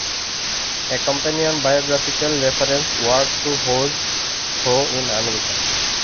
A companion biographical reference work to Who's Who in America.